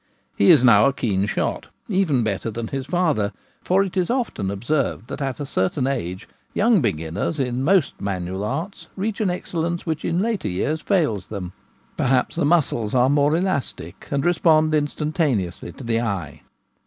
He is now a keen shot, even better than his father ; for it is often observed that at a certain age young beginners in most manual arts reach an excel lence which in later years fails them. Perhaps the muscles are more elastic, and respond instantaneously to the eye.